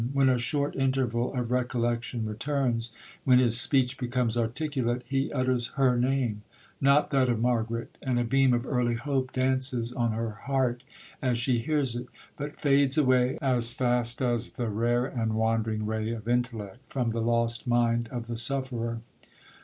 When a short interval of recollection returns,—when his speech becomes articulate,—he utters her name, not that of Margaret, and a beam of early hope dances on her heart as she hears it, but fades away as fast as the rare and wandering ray of intellect from the lost mind of the sufferer!